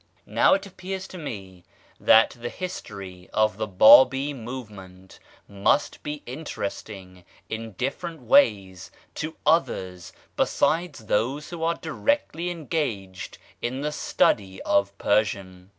Now it appears to me that the history of the Bábí movement must be interesting in different ways to others besides those who are directly engaged in the study of Persian.